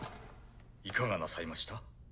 いかがなさいました？